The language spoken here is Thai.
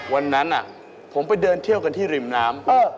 วันนั้นผมไปเดินเที่ยวกันที่ริมน้ำ